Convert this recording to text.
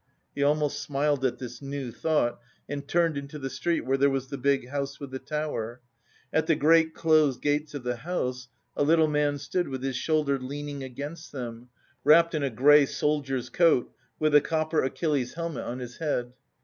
He almost smiled at this new thought and turned into the street where there was the big house with the tower. At the great closed gates of the house, a little man stood with his shoulder leaning against them, wrapped in a grey soldier's coat, with a copper Achilles helmet on his head.